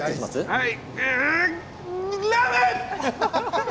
はい。